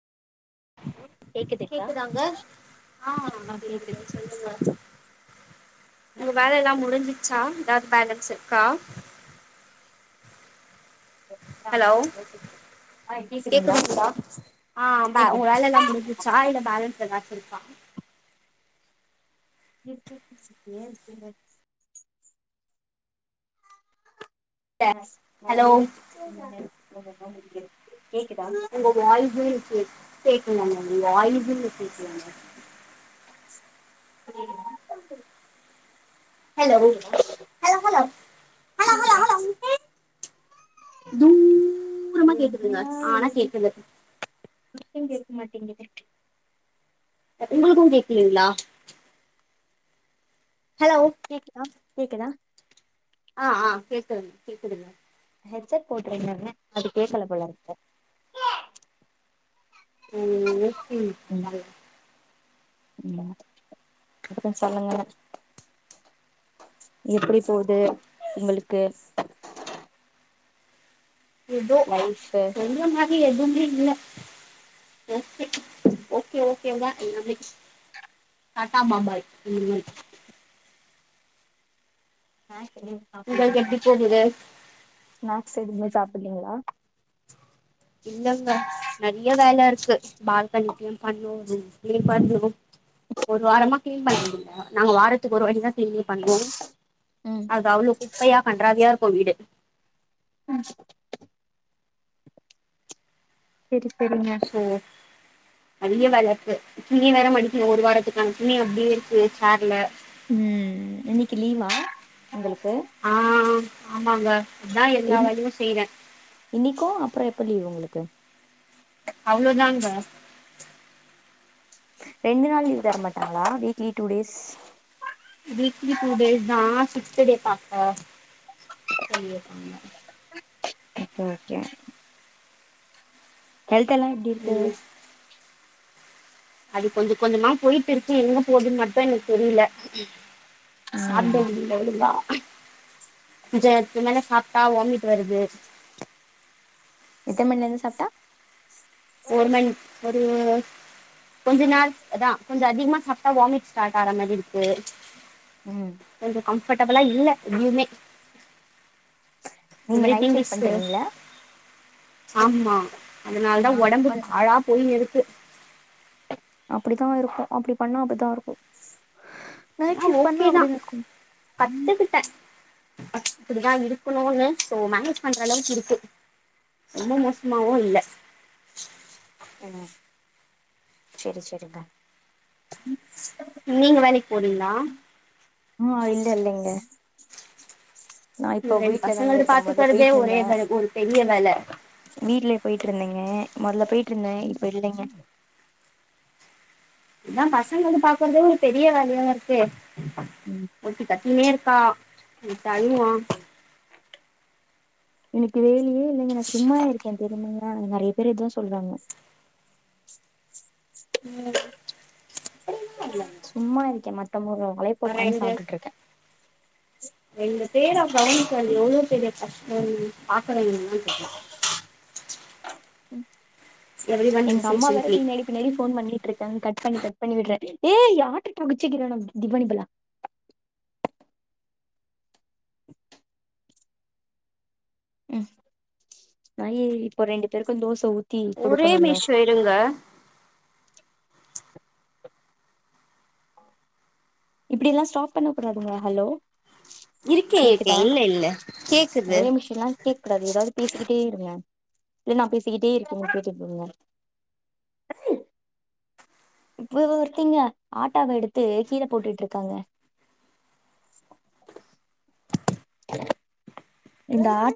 கேக்குதுங்களா கேக்குதாங்க ஆ கேக்குது சொல்லுங்க உங்க வேலலெல்லாம் முடிஞ்சிச்சா ஏதாவது பேலன்ஸ் ருக்கா. ஹலோ [inaudible] கேக்குதுங்களா ஆ உங்க கேக்குது வேல எல்லா முடிஞ்சுச்சா இல்ல பேலன்ஸ் ஏதாச்சு இருக்கா [inaudible] இல்ல. ஹலோ நெறைய [inaudible] கேக்குதா உங்க வாய்ஸே கேக் கேக்கல உங்க வாய்ஸே கேக்கலங்க இப்ப கேக்குதா ஹலோ கேக்குதா ஹலோ ஹலோ ஹலோ ஹலோ கேக்குதா ஹலோ தூரமா கேக்குதுங்க ஆனா கேக்குது மட்டு கேக்க மாட்டேங்கிதே உங்களுக்கு கேக்லீங்ளா ஹலோ கேக்குதா கேக்குதா ஆ ஆ கேக்குதுங்க கேக்குதுங்க ஹெட்செட் போட்ருந்தங்க அது கேக்கல போலருக்கு ம் ம் அதாங்க ம் அப்றோ சொல்லுங்க எப்டி போவுது உங்களுக்கு எதோ லைஃப் சொல்ற மார் ரி எதுமே இல்ல ஓகே ஒகே ஓகே தா எல்லாமே டாட்டா பாம்பாய் இவரு ஸ்நாக்ஸ் எதுமே உங்களுக்கு சாப்பிலீங்ளா எப்படி போகுது ஸ்நாக்ஸ் எதுமே சாப்பிலீங்ளா இல்லங்க நெறைய வேலருக்கு பால்கணிப்பியு பண்ணு க்ளின் பண்ணு ஒரு வாரமா கிளீன் பண்றதில்ல நாங்க வாரத்துக்கு ஒரு வாட்டிதா கிளீனே பண்வோ ம் அது அவ்ளோ குப்பையா கண்றாவியாருக்கு வீடு ம் செரி செரிங்க ம் நெறைய வேலர்க்கு துணி வேற மடிக்கனு ஒரு வாரத்துக்கான துணி அப்டியே இருக்கு சேர்ல ம் இன்னைக்கு லீவா உங்களுக்கு ஆ ஆமாங்க அதா எல்லா வேலையு செய்வே இன்னிக்கு அப்றோ எப்ப லீவ் உங்களுக்கு அவ்ளோதாங்க ரெண்டு நாள் லீ்வ் தர மாட்டாங்ளா weekly two days weekly two days தா சிக்ஸ்த் டே பாக்க சொல்லிர்காங்க ஓகே ஹெல்த் எல்லா எப்டி இருக்கு ம் அது கொஞ்ச கொஞ்சமா போய்ட்டு இருக்கு எங்க போதுன் மட்டு எனக் தெரியில சாப்ட ம் முடியல இல்லிங்ளா ஞ்சத்து மேல சாப்ட்டா வாமிட் வருது எத்தன் மணிலந்து சாப்ட்டா ஒரு மணி ஒரு கொஞ்ச நாள் அதா கொஞ்சோ அதிகமா சாப்ட்டா வாமிட் ஸ்டார்ட் ஆற மரி இருக்கு உம் கொஞ்சோ கம்ஃபெட்டபலா இல்ல இதுயுமே இந்த நீங்க மாரி நைட் ஷிஃப்ட் பிவிஸ்சு பண்றீங்கள ஆமா அதனால தா ஒடம்பு பாழா போயின் நிறுத்து அப்டித்தா இருக்கும் அப்டி பண்ணா அப்டித்தா இருக்கும் ஆனா நைட்ஷிப் பண்ண ஓகே தான் அப்டிதா இருக்கு இப்டிதா இருக்கணுன்னு சோ மேனேஜ் பண்ற அளவுக்கு இருக்கு ரொம்ப மோசமாவு இல்ல உம் செரி செரிங்க நீங்க வேலைக்கு போறீங்ளா ஆ இல்ல இல்லைங்க நா இப்போ ரெண்டு வீட்ல தாங்க பசங்கள்ட்ட இருக்கே மொதல்ல பாத்துக்கற்தே போயிட்டு ஒரே வேல ஒரு பெரிய வேல வீடலயே போயிட்டு இருந்தேங்க மொதல்ல போயிட்டு இருந்தே இப்ப இல்லைங்க இதா பசங்க வந்து பாக்றதே ஒரு பெரிய வேலையா இருக்கே ம் ஒர்த்தி கத்திட்னே இருக்கா ஒர்த்த அழுவா எனக்கு வேலயே இல்லங்க நா சும்மா இருக்கே தெரியுங்களா நெறைய பேர் இதுவூம் சொல்றாங்க ஆ இல்ல சும்மா இருக்கே மத்தவங்க ஒழைப்ப ஒக்கான்னு சாப்ட்டுட்டு இருக்கே ரெண்டு பேர கவனிகர்த்து எவ்ளோ பெரிய கஷ்டோ பாக்கரவங்களுக்கு தா தெரியு எவ்ரி ஒன் எங்க விசஸ் அம்மா வேற சிம்ப்ளி பின்னடி பின்னேடி ஃபோன் பண்ணிட்ருக்காங்க கட் பண்ணி கட் பண்ணி விட்ற ஏ ஆட்டுட்ட குச்சுக்கிறனு திவேனி புல்லா உம் நா யே இப்ப ரெண்டு பேருக்கு தோச ஊத் ஒரே மிஷோ இருங்க இப்டி எல்லா ஸ்டாப் பண்ண கூடாதுங்க ஹலோ இருக்கே இருக்கே கேக்குதா இல்ல இல்ல கேக்குது கேட்கக் கூடாது ஏதாது பேசிக்கிட்டே இருங்க இல்ல நா பேசிக்கிட்டே இருக்க கேட்டுட்டிருங்க இவ ஒருத்தீங்க ஆட்டாவ எடுத்து கீழ போட்டுட்டு இருக்காங்க இந்த ஆ